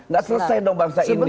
gak selesai dong bangsa ini